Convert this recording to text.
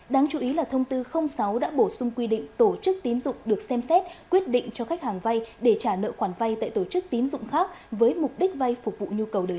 đáng chú ý là thông tư sáu đã bổ sung quy định tổ chức tín dụng được xem xét quyết định cho khách hàng vay để trả nợ khoản vay tại tổ chức tín dụng khác với mục đích vay phục vụ nhu cầu đời sống